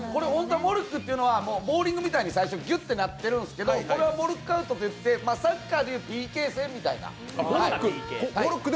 モルックっていうのはボーリングみたいにギュッてなってるんですけどこれはモルックアウトといって、サッカーで言うＰＫ戦みたいな。